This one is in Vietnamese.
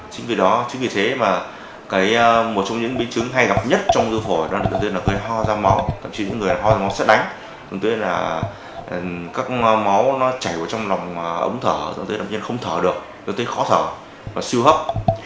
chính vì thế mà một trong những bệnh chứng hay gặp nhất trong dư phổi là người ho ra máu tậm chí những người ho ra máu sẽ đánh các máu nó chảy vào trong lòng ống thở dẫn tới đồng nhiên không thở được dẫn tới khó thở và siêu hấp